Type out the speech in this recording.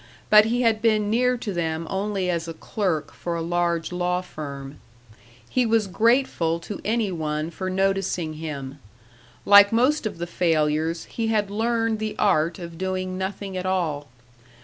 But he had been near to them only as a clerk for a large law firm. He was grateful to any one for noticing him. Like most of the failures, he had learned the art of doing nothing at all.